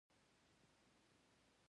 تره يې هلته يوه ډېره لويه ځمکه درلوده.